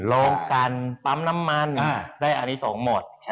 โรงกันปั๊มน้ำมันได้อันนี้ส่งหมด